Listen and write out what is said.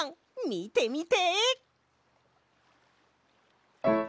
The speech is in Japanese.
みてみて！